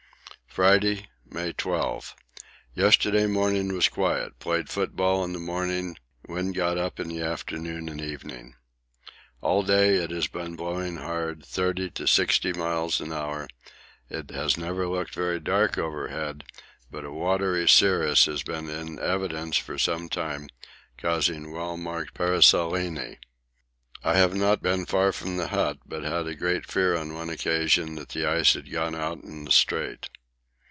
Friday, May 12. Yesterday morning was quiet. Played football in the morning; wind got up in the afternoon and evening. All day it has been blowing hard, 30 to 60 miles an hour; it has never looked very dark overhead, but a watery cirrus has been in evidence for some time, causing well marked paraselene. I have not been far from the hut, but had a great fear on one occasion that the ice had gone out in the Strait.